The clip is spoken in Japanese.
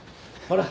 ほら。